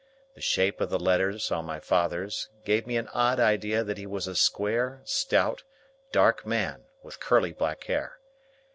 The shape of the letters on my father's, gave me an odd idea that he was a square, stout, dark man, with curly black hair.